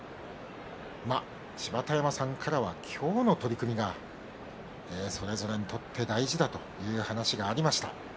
芝田山さんからは今日の取組がそれぞれにとって大事だという話がありました。